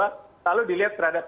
selalu dilihat terhadap lima h